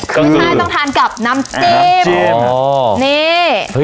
คือใช่ต้องทานกับน้ำจิ้มน้ำจิ้มอ๋อนี่